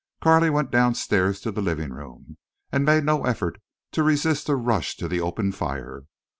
Carley went downstairs to the living room, and made no effort to resist a rush to the open fire.